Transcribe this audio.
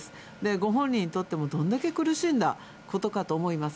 ご本人にとってもどんだけ苦しんだことかと思います。